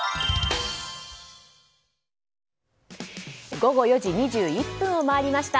午後４時２１分を回りました。